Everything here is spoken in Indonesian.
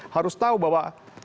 harus tahu bahwa